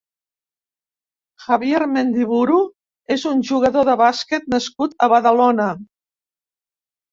Javier Mendiburu és un jugador de bàsquet nascut a Badalona.